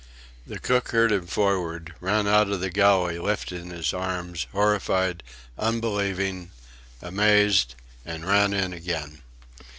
The cook heard him forward, ran out of the galley lifting his arms, horrified, unbelieving, amazed, and ran in again.